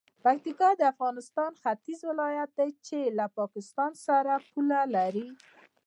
پکتیکا د افغانستان د ختیځ ولایت دی چې له پاکستان سره پوله لري.